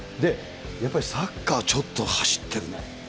やっぱりサッカーちょっと走ってるね。